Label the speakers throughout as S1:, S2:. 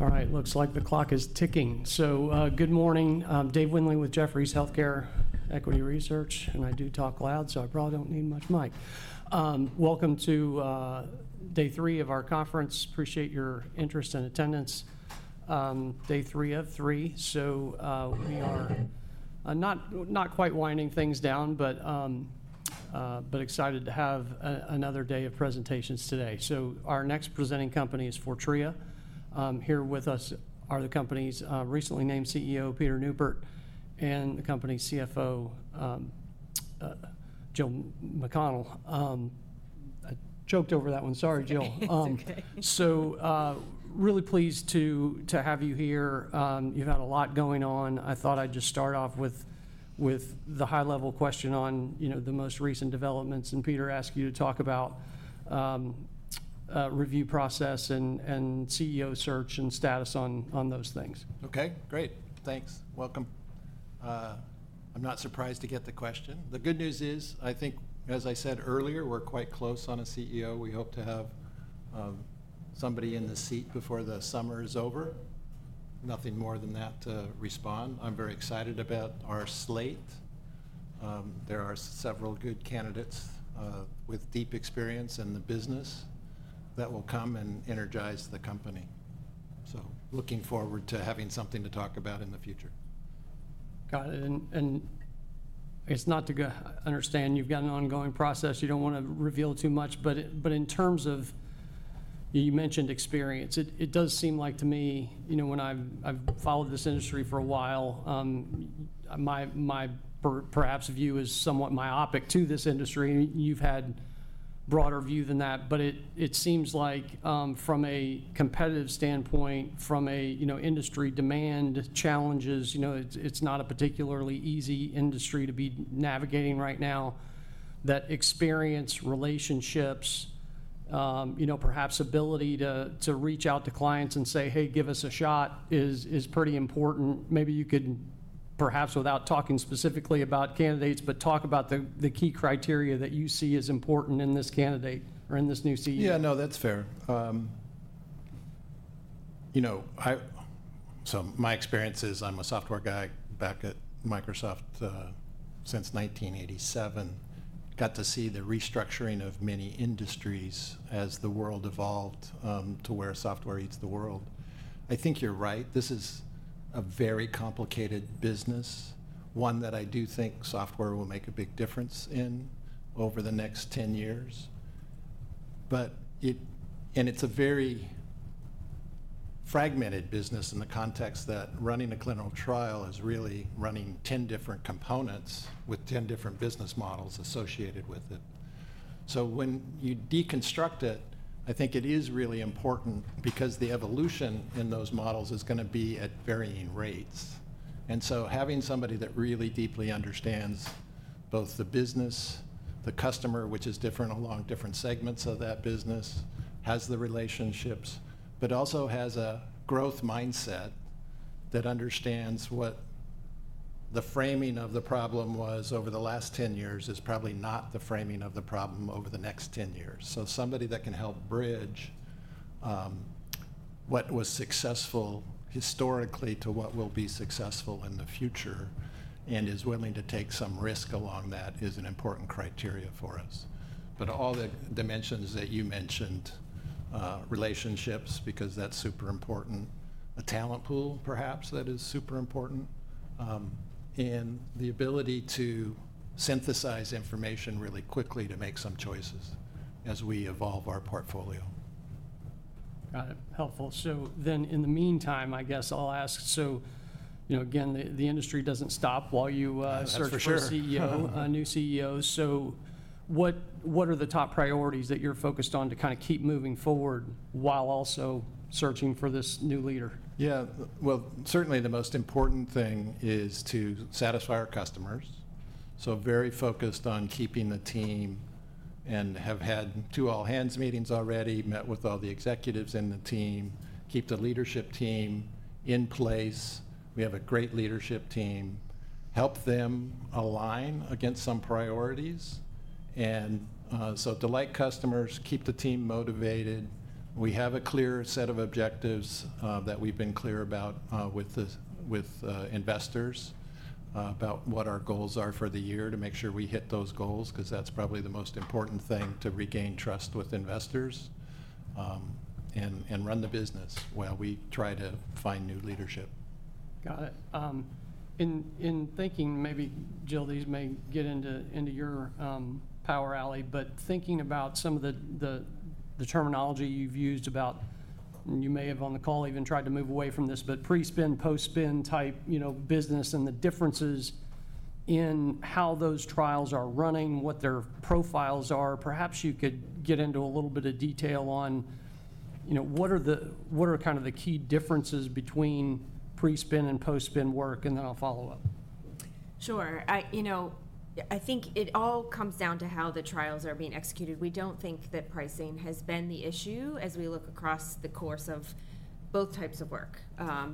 S1: All right, looks like the clock is ticking. Good morning. I'm Dave Whindley with Jefferies Healthcare Equity Research, and I do talk loud, so I probably do not need much mic. Welcome to Day 3 of our conference. Appreciate your interest and attendance. Day three of three. We are not quite winding things down, but excited to have another day of presentations today. Our next presenting company is Fortrea. Here with us are the company's recently named CEO, Peter Neubert, and the company's CFO, Jill McConnell. I joked over that one. Sorry, Jill.
S2: It's okay.
S1: So, really pleased to have you here. You've had a lot going on. I thought I'd just start off with the high-level question on, you know, the most recent developments, and Peter, ask you to talk about review process and CEO search and status on those things.
S3: Okay, great. Thanks. Welcome. I'm not surprised to get the question. The good news is, I think, as I said earlier, we're quite close on a CEO. We hope to have somebody in the seat before the summer is over. Nothing more than that to respond. I'm very excited about our slate. There are several good candidates, with deep experience in the business that will come and energize the company. Looking forward to having something to talk about in the future.
S1: Got it. I guess not to understand, you've got an ongoing process. You don't want to reveal too much. In terms of, you mentioned experience. It does seem like to me, you know, when I've, I've followed this industry for a while, my, my perhaps view is somewhat myopic to this industry. You've had broader view than that. It seems like, from a competitive standpoint, from a, you know, industry demand challenges, you know, it's, it's not a particularly easy industry to be navigating right now. That experience, relationships, you know, perhaps ability to, to reach out to clients and say, "Hey, give us a shot," is, is pretty important. Maybe you could, perhaps without talking specifically about candidates, but talk about the, the key criteria that you see as important in this candidate or in this new CEO.
S3: Yeah, no, that's fair. You know, I, so my experience is I'm a software guy back at Microsoft, since 1987. Got to see the restructuring of many industries as the world evolved, to where software eats the world. I think you're right. This is a very complicated business, one that I do think software will make a big difference in over the next 10 years. But it, and it's a very fragmented business in the context that running a clinical trial is really running 10 different components with 10 different business models associated with it. When you deconstruct it, I think it is really important because the evolution in those models is going to be at varying rates. Having somebody that really deeply understands both the business, the customer, which is different along different segments of that business, has the relationships, but also has a growth mindset that understands what the framing of the problem was over the last 10 years is probably not the framing of the problem over the next 10 years. Somebody that can help bridge what was successful historically to what will be successful in the future and is willing to take some risk along that is an important criteria for us. All the dimensions that you mentioned, relationships, because that is super important, a talent pool perhaps that is super important, and the ability to synthesize information really quickly to make some choices as we evolve our portfolio.
S1: Got it. Helpful. In the meantime, I guess I'll ask, you know, again, the industry doesn't stop while you search for a CEO, a new CEO. Absolutely. What are the top priorities that you're focused on to kind of keep moving forward while also searching for this new leader?
S3: Yeah. Certainly the most important thing is to satisfy our customers. Very focused on keeping the team and have had two all-hands meetings already, met with all the executives in the team, keep the leadership team in place. We have a great leadership team. Help them align against some priorities. Delight customers, keep the team motivated. We have a clear set of objectives that we've been clear about with investors, about what our goals are for the year to make sure we hit those goals, because that's probably the most important thing to regain trust with investors, and run the business while we try to find new leadership.
S1: Got it. In thinking, maybe, Jill, these may get into your power alley, but thinking about some of the terminology you've used about, and you may have on the call even tried to move away from this, but pre-spin, post-spin type, you know, business and the differences in how those trials are running, what their profiles are. Perhaps you could get into a little bit of detail on, you know, what are kind of the key differences between pre-spin and post-spin work, and then I'll follow up.
S2: Sure. I, you know, I think it all comes down to how the trials are being executed. We do not think that pricing has been the issue as we look across the course of both types of work,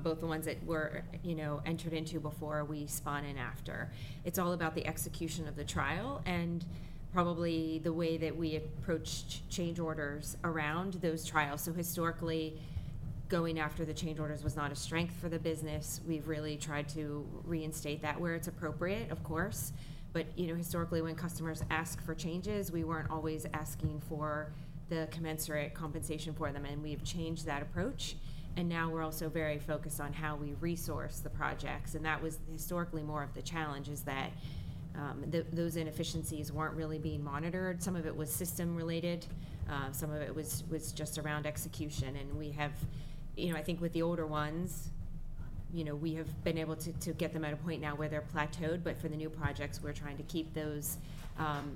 S2: both the ones that were, you know, entered into before we spun and after. It is all about the execution of the trial and probably the way that we approach change orders around those trials. Historically, going after the change orders was not a strength for the business. We have really tried to reinstate that where it is appropriate, of course. You know, historically, when customers ask for changes, we were not always asking for the commensurate compensation for them. We have changed that approach. Now we are also very focused on how we resource the projects. That was historically more of the challenge, is that those inefficiencies were not really being monitored. Some of it was system-related. Some of it was just around execution. And we have, you know, I think with the older ones, you know, we have been able to get them at a point now where they're plateaued. For the new projects, we're trying to keep those,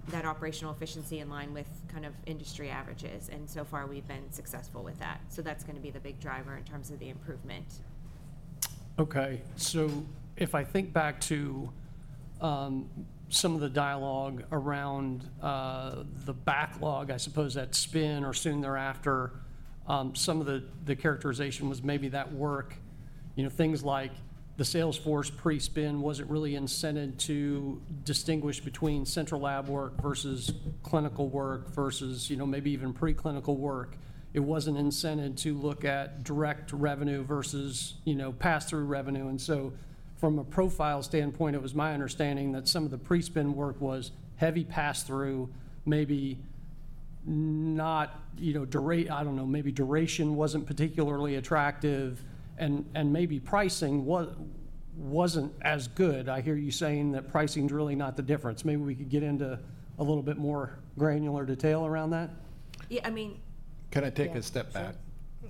S2: that operational efficiency in line with kind of industry averages. So far we've been successful with that. That's going to be the big driver in terms of the improvement.
S1: Okay. If I think back to some of the dialogue around the backlog, I suppose at spin or soon thereafter, some of the characterization was maybe that work, you know, things like the Salesforce pre-spin, was not really incented to distinguish between central lab work versus clinical work versus, you know, maybe even preclinical work. It was not incented to look at direct revenue versus, you know, pass-through revenue. From a profile standpoint, it was my understanding that some of the pre-spin work was heavy pass-through, maybe not, you know, duration, I do not know, maybe duration was not particularly attractive, and maybe pricing was, was not as good. I hear you saying that pricing is really not the difference. Maybe we could get into a little bit more granular detail around that.
S2: Yeah, I mean.
S3: Can I take a step back?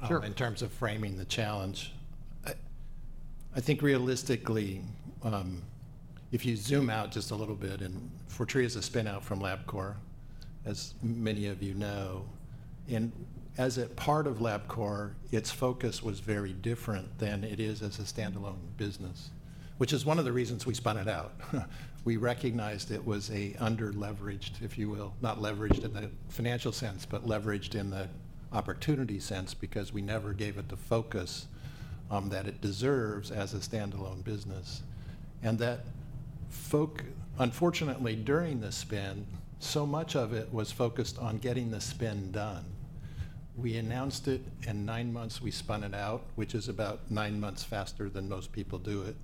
S1: Sure.
S3: In terms of framing the challenge, I think realistically, if you zoom out just a little bit, and Fortrea is a spin-out from Labcorp, as many of you know, and as a part of Labcorp, its focus was very different than it is as a standalone business, which is one of the reasons we spun it out. We recognized it was an under-leveraged, if you will, not leveraged in the financial sense, but leveraged in the opportunity sense because we never gave it the focus that it deserves as a standalone business. That focus, unfortunately, during the spin, so much of it was focused on getting the spin done. We announced it, and in nine months we spun it out, which is about nine months faster than most people do it.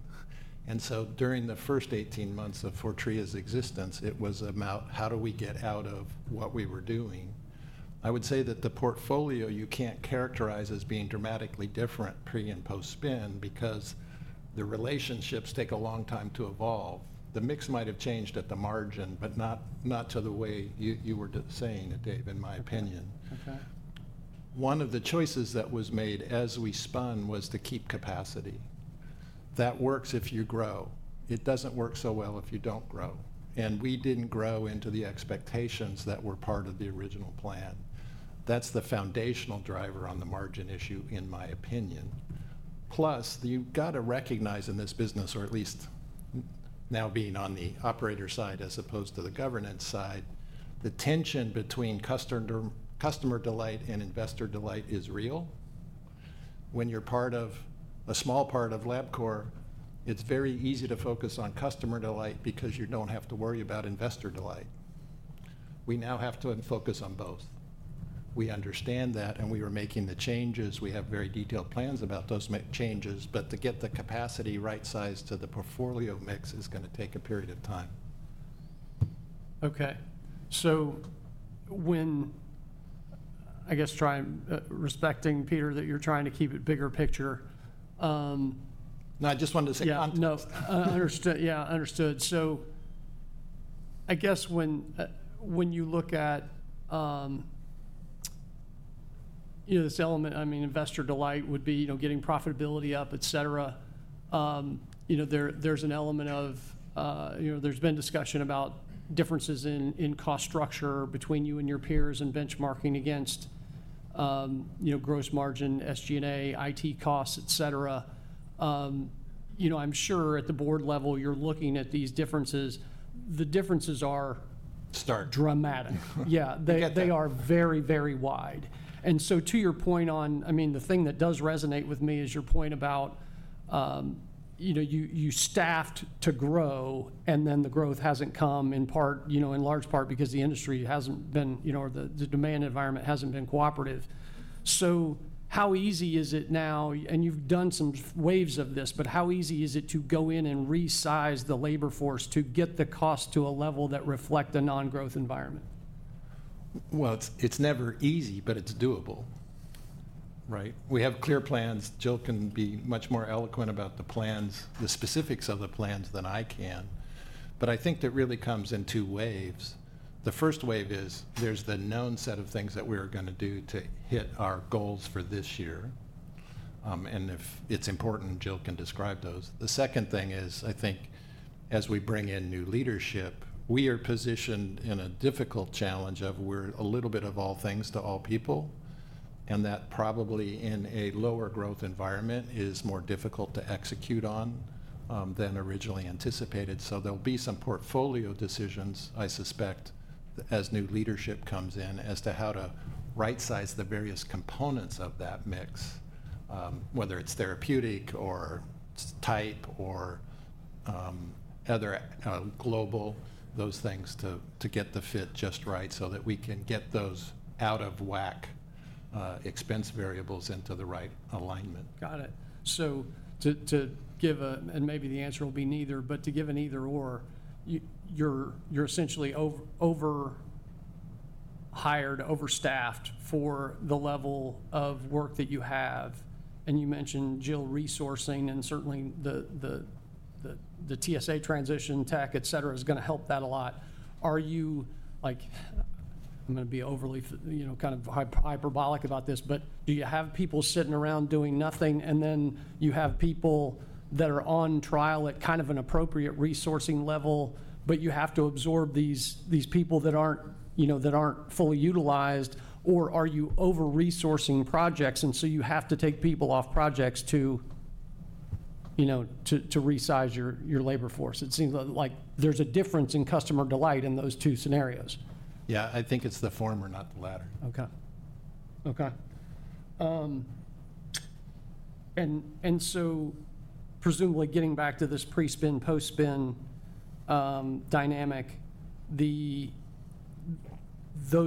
S3: During the first 18 months of Fortrea's existence, it was about how do we get out of what we were doing. I would say that the portfolio you cannot characterize as being dramatically different pre and post-spin because the relationships take a long time to evolve. The mix might have changed at the margin, but not to the way you were saying it, Dave, in my opinion.
S1: Okay.
S3: One of the choices that was made as we spun was to keep capacity. That works if you grow. It does not work so well if you do not grow. And we did not grow into the expectations that were part of the original plan. That is the foundational driver on the margin issue, in my opinion. Plus, you have got to recognize in this business, or at least now being on the operator side as opposed to the governance side, the tension between customer delight and investor delight is real. When you are part of a small part of Labcorp, it is very easy to focus on customer delight because you do not have to worry about investor delight. We now have to focus on both. We understand that, and we were making the changes. We have very detailed plans about those changes, but to get the capacity right-sized to the portfolio mix is going to take a period of time.
S1: Okay. So when, I guess, trying, respecting Peter, that you're trying to keep a bigger picture.
S3: No, I just wanted to say.
S1: Yeah, no, I understood. Yeah, understood. I guess when you look at, you know, this element, I mean, investor delight would be, you know, getting profitability up, et cetera. You know, there is an element of, you know, there has been discussion about differences in cost structure between you and your peers and benchmarking against, you know, gross margin, SG&A, IT costs, et cetera. You know, I am sure at the board level, you are looking at these differences. The differences are.
S3: Start.
S1: Dramatic. Yeah. They are very, very wide. To your point on, I mean, the thing that does resonate with me is your point about, you know, you staffed to grow, and then the growth hasn't come in part, you know, in large part because the industry hasn't been, you know, or the demand environment hasn't been cooperative. How easy is it now? You've done some waves of this, but how easy is it to go in and resize the labor force to get the cost to a level that reflects a non-growth environment?
S3: It's never easy, but it's doable, right? We have clear plans. Jill can be much more eloquent about the plans, the specifics of the plans than I can. I think that really comes in two waves. The first wave is there's the known set of things that we're going to do to hit our goals for this year. If it's important, Jill can describe those. The second thing is, I think, as we bring in new leadership, we are positioned in a difficult challenge of we're a little bit of all things to all people. That probably in a lower growth environment is more difficult to execute on, than originally anticipated. There'll be some portfolio decisions, I suspect, as new leadership comes in as to how to right-size the various components of that mix, whether it's therapeutic or type or, other, global, those things to get the fit just right so that we can get those out of whack, expense variables into the right alignment.
S1: Got it. To give a, and maybe the answer will be neither, but to give an either/or, you're essentially over-hired, overstaffed for the level of work that you have. You mentioned, Jill, resourcing and certainly the TSA transition tech, et cetera, is going to help that a lot. Are you, like, I'm going to be overly, you know, kind of hyperbolic about this, but do you have people sitting around doing nothing and then you have people that are on trial at kind of an appropriate resourcing level, but you have to absorb these people that aren't, you know, that aren't fully utilized, or are you over-resourcing projects and so you have to take people off projects to, you know, to resize your labor force? It seems like there's a difference in customer delight in those two scenarios.
S3: Yeah, I think it's the former, not the latter.
S1: Okay. Okay. And so presumably getting back to this pre-spin, post-spin dynamic, those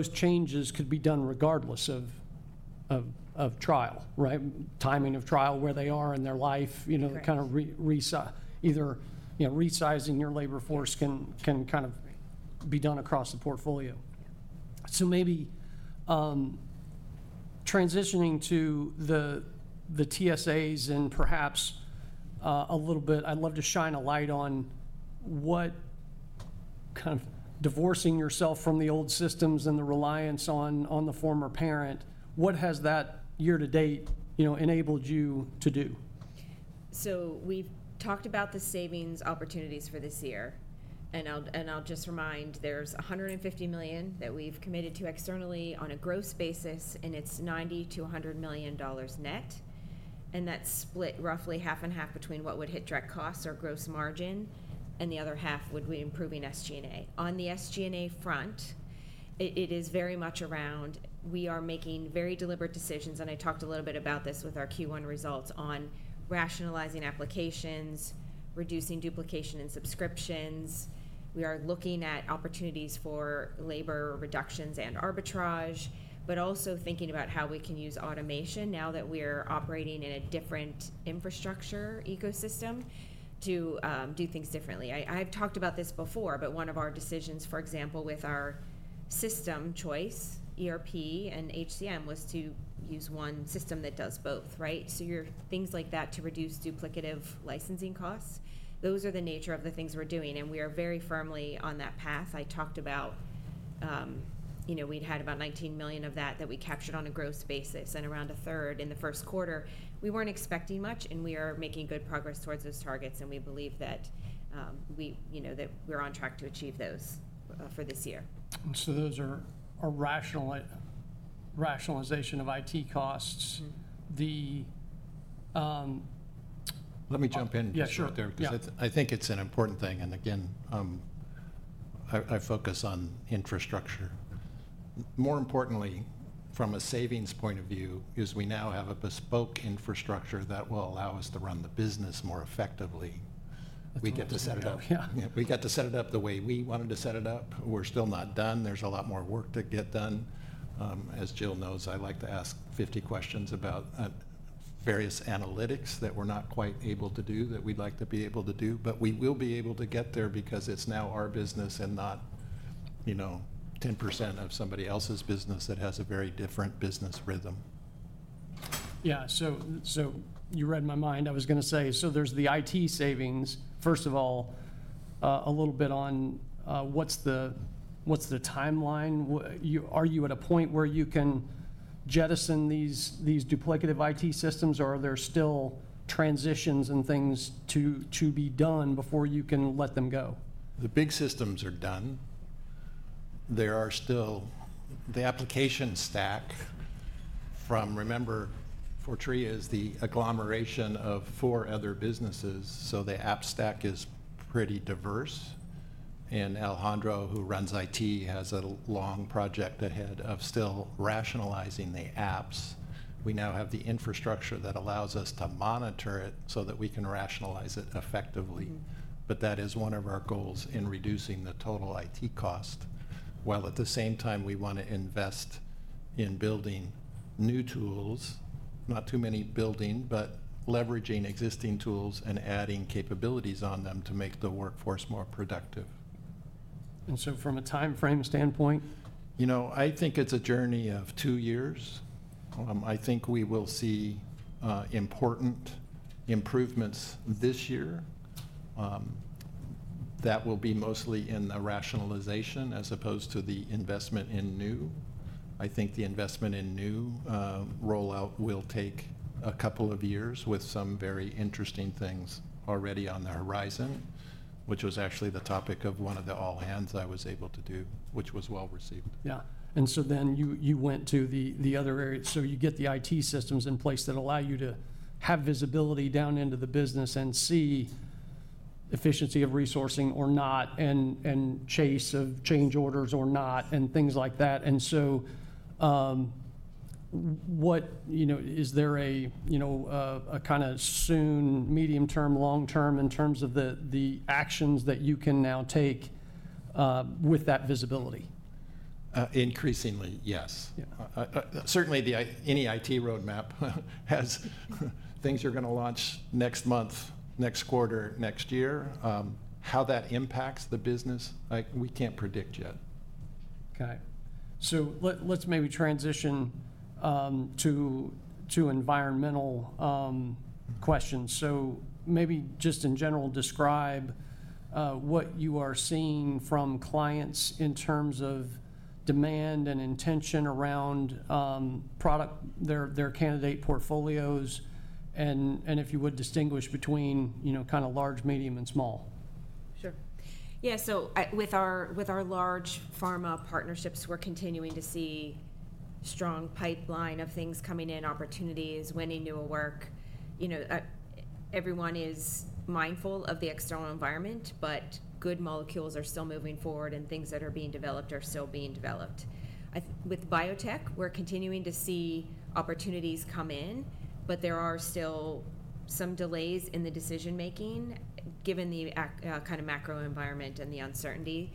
S1: changes could be done regardless of trial, right? Timing of trial, where they are in their life, you know, kind of re-resize, either, you know, resizing your labor force can kind of be done across the portfolio. Maybe, transitioning to the TSAs and perhaps, a little bit, I'd love to shine a light on what kind of divorcing yourself from the old systems and the reliance on the former parent, what has that year to date, you know, enabled you to do?
S2: We have talked about the savings opportunities for this year. I'll just remind, there's $150 million that we've committed to externally on a gross basis, and it's $90 million-$100 million net. That's split roughly half and half between what would hit direct costs or gross margin, and the other half would be improving SG&A. On the SG&A front, it is very much around, we are making very deliberate decisions, and I talked a little bit about this with our Q1 results on rationalizing applications, reducing duplication and subscriptions. We are looking at opportunities for labor reductions and arbitrage, but also thinking about how we can use automation now that we're operating in a different infrastructure ecosystem to do things differently. I've talked about this before, but one of our decisions, for example, with our system choice, ERP and HCM, was to use one system that does both, right? You do things like that to reduce duplicative licensing costs. Those are the nature of the things we're doing, and we are very firmly on that path. I talked about, you know, we'd had about $19 million of that that we captured on a gross basis and around a third in the first quarter. We weren't expecting much, and we are making good progress towards those targets, and we believe that, you know, that we're on track to achieve those for this year.
S1: Those are a rationalization of IT costs. The,
S3: Let me jump in just short there.
S1: Yeah, sure.
S3: Because I think it's an important thing. I focus on infrastructure. More importantly, from a savings point of view, is we now have a bespoke infrastructure that will allow us to run the business more effectively. We get to set it up.
S1: That's great. Yeah.
S3: We get to set it up the way we wanted to set it up. We're still not done. There's a lot more work to get done. As Jill knows, I like to ask 50 questions about various analytics that we're not quite able to do that we'd like to be able to do. But we will be able to get there because it's now our business and not, you know, 10% of somebody else's business that has a very different business rhythm.
S1: Yeah. You read my mind. I was going to say, there's the IT savings, first of all, a little bit on, what's the, what's the timeline? Are you at a point where you can jettison these duplicative IT systems, or are there still transitions and things to be done before you can let them go?
S3: The big systems are done. There are still the application stack from, remember, Fortrea is the agglomeration of four other businesses, so the app stack is pretty diverse. And Alejandro, who runs IT, has a long project ahead of still rationalizing the apps. We now have the infrastructure that allows us to monitor it so that we can rationalize it effectively. That is one of our goals in reducing the total IT cost. While at the same time, we want to invest in building new tools, not too many building, but leveraging existing tools and adding capabilities on them to make the workforce more productive.
S1: From a timeframe standpoint?
S3: You know, I think it's a journey of two years. I think we will see important improvements this year that will be mostly in the rationalization as opposed to the investment in new. I think the investment in new rollout will take a couple of years with some very interesting things already on the horizon, which was actually the topic of one of the all-hands I was able to do, which was well received.
S1: Yeah. And so then you, you went to the, the other area. You get the IT systems in place that allow you to have visibility down into the business and see efficiency of resourcing or not, and, and chase of change orders or not, and things like that. And so, what, you know, is there a, you know, a kind of soon, medium term, long term in terms of the, the actions that you can now take, with that visibility?
S3: Increasingly, yes.
S1: Yeah.
S3: Certainly, any IT roadmap has things you're going to launch next month, next quarter, next year. How that impacts the business, like, we can't predict yet.
S1: Okay. So let's maybe transition to environmental questions. Maybe just in general, describe what you are seeing from clients in terms of demand and intention around product, their candidate portfolios, and if you would distinguish between, you know, kind of large, medium, and small.
S2: Sure. Yeah. With our large pharma partnerships, we're continuing to see a strong pipeline of things coming in, opportunities, when they knew it would work. You know, everyone is mindful of the external environment, but good molecules are still moving forward and things that are being developed are still being developed. With biotech, we're continuing to see opportunities come in, but there are still some delays in the decision-making given the kind of macro environment and the uncertainty.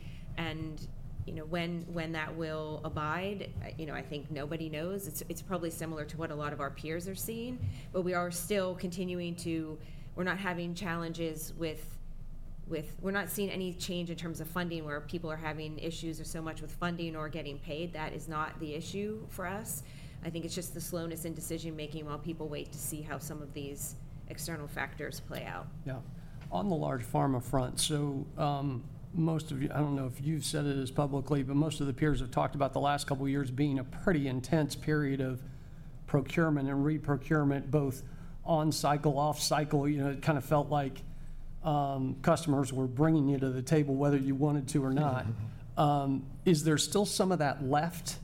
S2: You know, when that will abide, I think nobody knows. It's probably similar to what a lot of our peers are seeing, but we are still continuing to, we're not having challenges with, we're not seeing any change in terms of funding where people are having issues so much with funding or getting paid. That is not the issue for us. I think it's just the slowness in decision-making while people wait to see how some of these external factors play out.
S1: Yeah. On the large pharma front, so, most of you, I do not know if you have said it as publicly, but most of the peers have talked about the last couple of years being a pretty intense period of procurement and reprocurement, both on cycle, off cycle. You know, it kind of felt like customers were bringing you to the table whether you wanted to or not. Is there still some of that left?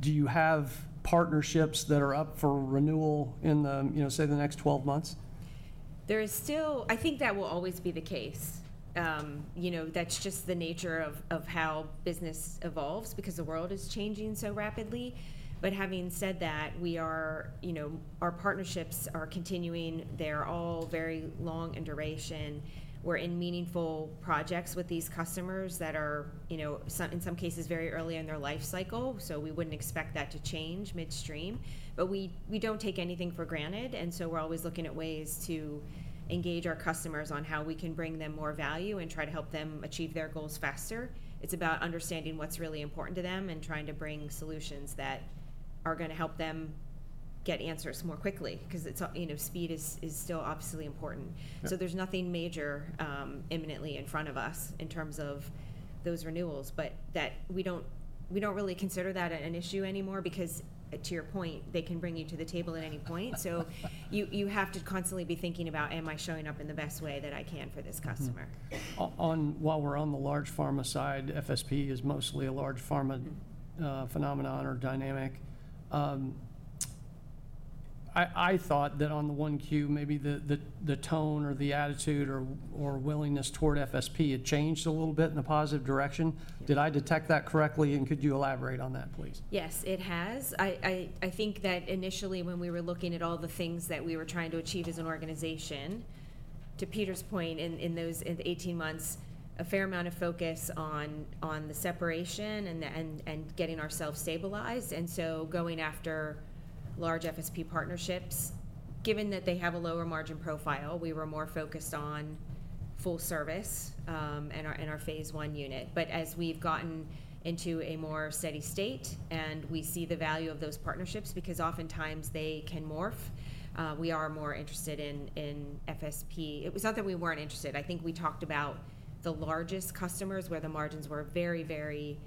S1: Do you have partnerships that are up for renewal in the, you know, say the next 12 months?
S2: There is still, I think that will always be the case. You know, that's just the nature of how business evolves because the world is changing so rapidly. Having said that, we are, you know, our partnerships are continuing. They're all very long in duration. We're in meaningful projects with these customers that are, you know, in some cases very early in their life cycle. We would not expect that to change midstream. We do not take anything for granted. We are always looking at ways to engage our customers on how we can bring them more value and try to help them achieve their goals faster. It's about understanding what's really important to them and trying to bring solutions that are going to help them get answers more quickly because, you know, speed is still obviously important. There is nothing major imminently in front of us in terms of those renewals, but we do not really consider that an issue anymore because to your point, they can bring you to the table at any point. You have to constantly be thinking about, am I showing up in the best way that I can for this customer?
S1: While we're on the large pharma side, FSP is mostly a large pharma phenomenon or dynamic. I thought that on the 1Q, maybe the tone or the attitude or willingness toward FSP had changed a little bit in a positive direction. Did I detect that correctly? Could you elaborate on that, please?
S2: Yes, it has. I think that initially when we were looking at all the things that we were trying to achieve as an organization, to Peter's point in those 18 months, a fair amount of focus on the separation and getting ourselves stabilized. Going after large FSP partnerships, given that they have a lower margin profile, we were more focused on full service, and our phase one unit. As we have gotten into a more steady state and we see the value of those partnerships because oftentimes they can morph, we are more interested in FSP. It was not that we were not interested. I think we talked about the largest customers where the margins were very, very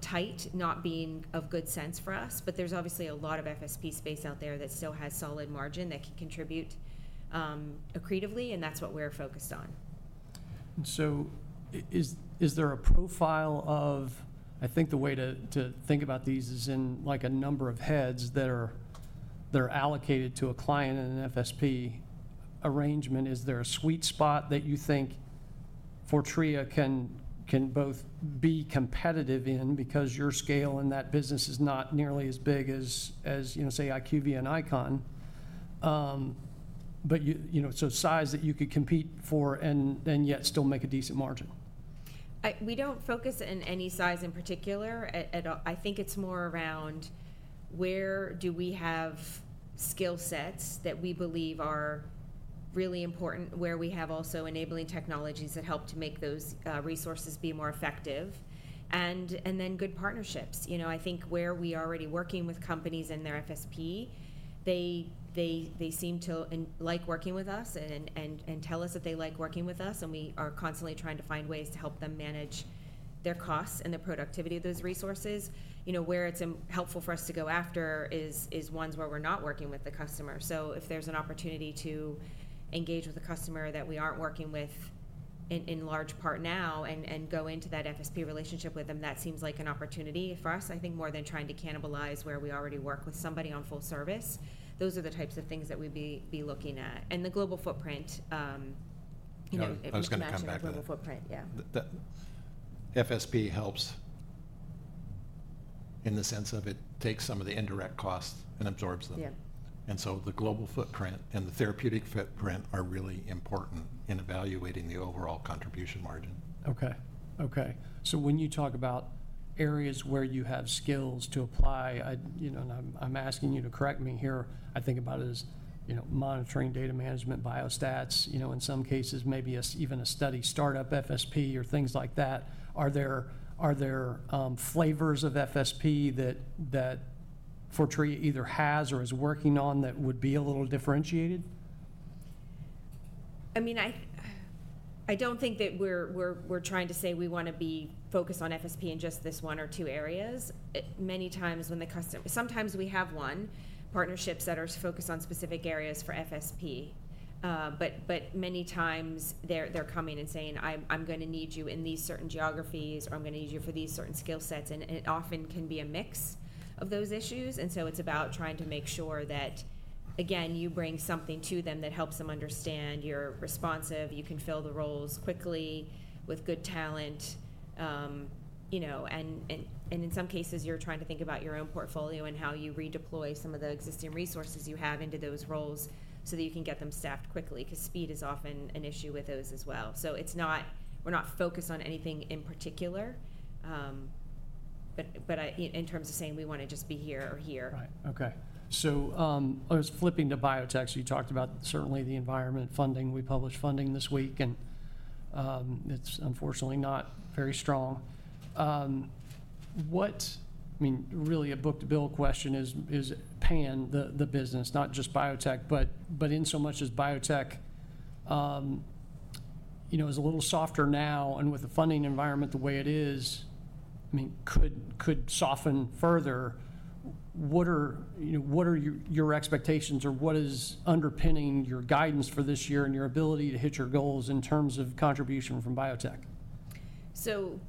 S2: tight, not being of good sense for us, but there's obviously a lot of FSP space out there that still has solid margin that can contribute, accretively, and that's what we're focused on.
S1: Is there a profile of, I think the way to think about these is in like a number of heads that are allocated to a client in an FSP arrangement. Is there a sweet spot that you think Fortrea can both be competitive in because your scale in that business is not nearly as big as, you know, say IQVIA and ICON, but you, you know, so size that you could compete for and yet still make a decent margin?
S2: We do not focus in any size in particular at all. I think it is more around where do we have skill sets that we believe are really important, where we have also enabling technologies that help to make those resources be more effective, and then good partnerships. You know, I think where we are already working with companies in their FSP, they seem to like working with us and tell us that they like working with us, and we are constantly trying to find ways to help them manage their costs and the productivity of those resources. You know, where it is helpful for us to go after is ones where we are not working with the customer. If there's an opportunity to engage with a customer that we aren't working with in large part now and go into that FSP relationship with them, that seems like an opportunity for us, I think, more than trying to cannibalize where we already work with somebody on full service. Those are the types of things that we'd be looking at. And the global footprint, you know.
S3: I was going to come back to that.
S2: Global footprint, yeah.
S3: The FSP helps in the sense of it takes some of the indirect costs and absorbs them.
S2: Yeah.
S3: The global footprint and the therapeutic footprint are really important in evaluating the overall contribution margin.
S1: Okay. Okay. So when you talk about areas where you have skills to apply, I, you know, and I'm, I'm asking you to correct me here, I think about it as, you know, monitoring, data management, biostats, you know, in some cases, maybe even a study startup FSP or things like that. Are there, are there, flavors of FSP that, that Fortrea either has or is working on that would be a little differentiated?
S2: I mean, I don't think that we're trying to say we want to be focused on FSP in just this one or two areas. Many times when the customer, sometimes we have one partnerships that are focused on specific areas for FSP, but many times they're coming and saying, I'm going to need you in these certain geographies or I'm going to need you for these certain skill sets. It often can be a mix of those issues. It is about trying to make sure that, again, you bring something to them that helps them understand you are responsive, you can fill the roles quickly with good talent, you know, and in some cases, you are trying to think about your own portfolio and how you redeploy some of the existing resources you have into those roles so that you can get them staffed quickly because speed is often an issue with those as well. It is not, we are not focused on anything in particular, but in terms of saying we want to just be here or here.
S1: Right. Okay. I was flipping to biotech. You talked about certainly the environment funding. We published funding this week, and it's unfortunately not very strong. I mean, really a book to bill question is, is PAN, the business, not just biotech, but in so much as biotech, you know, is a little softer now and with the funding environment the way it is, I mean, could soften further. What are, you know, what are your expectations or what is underpinning your guidance for this year and your ability to hit your goals in terms of contribution from biotech?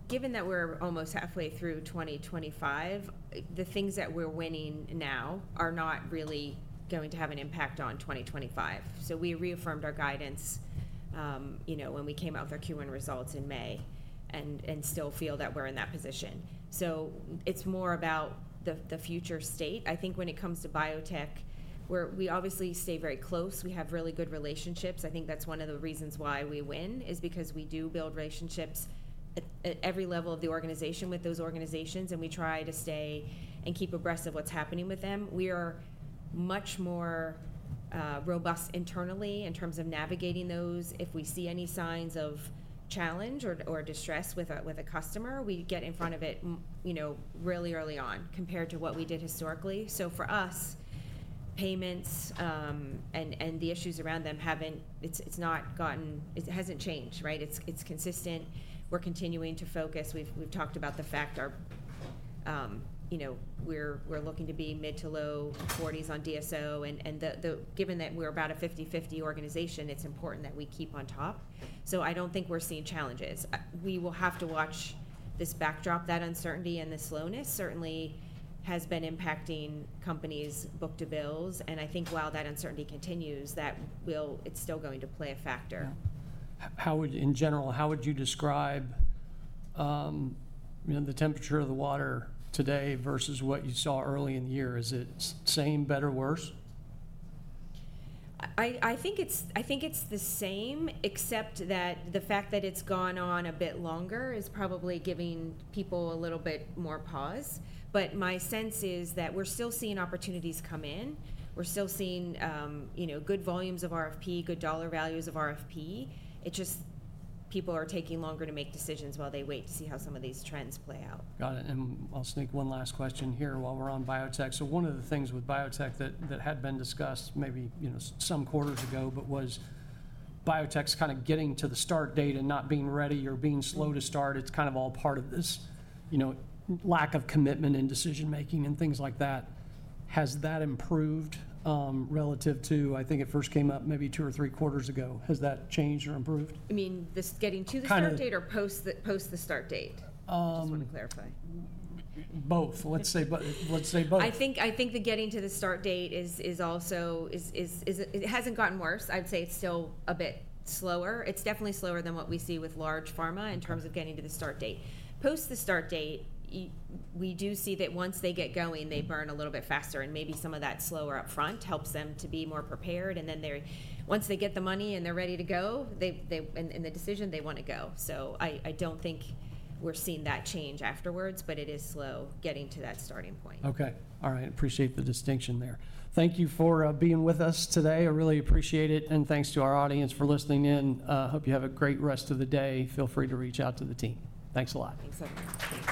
S2: Given that we're almost halfway through 2025, the things that we're winning now are not really going to have an impact on 2025. We reaffirmed our guidance, you know, when we came out with our Q1 results in May and still feel that we're in that position. It is more about the future state. I think when it comes to biotech, we obviously stay very close. We have really good relationships. I think that's one of the reasons why we win is because we do build relationships at every level of the organization with those organizations, and we try to stay and keep abreast of what's happening with them. We are much more robust internally in terms of navigating those. If we see any signs of challenge or distress with a customer, we get in front of it, you know, really early on compared to what we did historically. For us, payments and the issues around them haven't, it's not gotten, it hasn't changed, right? It's consistent. We're continuing to focus. We've talked about the fact our, you know, we're looking to be mid to low 40s on DSO and, given that we're about a 50/50 organization, it's important that we keep on top. I don't think we're seeing challenges. We will have to watch this backdrop, that uncertainty and the slowness certainly has been impacting companies' book to bills. I think while that uncertainty continues, that will, it's still going to play a factor.
S1: How would, in general, how would you describe, you know, the temperature of the water today versus what you saw early in the year? Is it same, better, worse?
S2: I think it's the same, except that the fact that it's gone on a bit longer is probably giving people a little bit more pause. My sense is that we're still seeing opportunities come in. We're still seeing, you know, good volumes of RFP, good dollar values of RFP. It just, people are taking longer to make decisions while they wait to see how some of these trends play out.
S1: Got it. I'll sneak one last question here while we're on biotech. One of the things with biotech that had been discussed maybe, you know, some quarters ago, was biotech's kind of getting to the start date and not being ready or being slow to start. It's kind of all part of this, you know, lack of commitment and decision-making and things like that. Has that improved, relative to, I think it first came up maybe two or three quarters ago? Has that changed or improved?
S2: I mean, is this getting to the start date or post the, post the start date? Just want to clarify.
S1: Both. Let's say, let's say both.
S2: I think the getting to the start date is also, it has not gotten worse. I'd say it is still a bit slower. It is definitely slower than what we see with large pharma in terms of getting to the start date. Post the start date, we do see that once they get going, they burn a little bit faster and maybe some of that slower upfront helps them to be more prepared. Then once they get the money and they are ready to go, and the decision, they want to go. I do not think we are seeing that change afterwards, but it is slow getting to that starting point.
S1: Okay. All right. Appreciate the distinction there. Thank you for being with us today. I really appreciate it. And thanks to our audience for listening in. Hope you have a great rest of the day. Feel free to reach out to the team. Thanks a lot.
S2: Thanks so much.